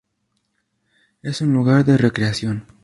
Es un lugar de recreación